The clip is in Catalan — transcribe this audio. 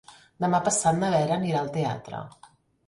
Demà passat na Vera anirà al teatre.